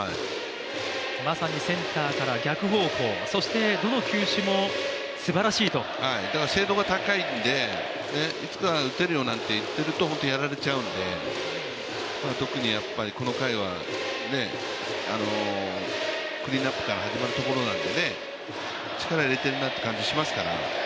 まさにセンターから逆方向、どの球種も精度が高いので、いつか打てるよなんていっているとやられちゃうんで、特にこの回はクリーンアップから始まるところなんで力を入れているなという感じはしますから。